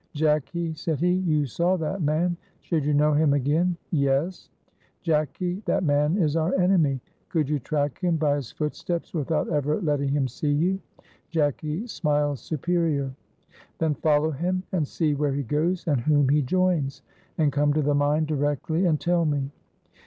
"Jacky," said he, "you saw that man; should you know him again?" "Yes." "Jacky, that man is our enemy. Could you track him by his footsteps without ever letting him see you?" Jacky smiled superior. "Then follow him and see where he goes, and whom he joins and come to the mine directly and tell me."